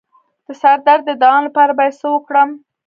د سر درد د دوام لپاره باید څه وکړم؟